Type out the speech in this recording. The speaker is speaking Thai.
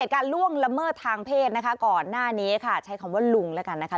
การล่วงละเมิดทางเพศนะคะก่อนหน้านี้ค่ะใช้คำว่าลุงแล้วกันนะคะ